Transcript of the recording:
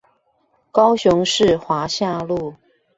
高雄市華夏路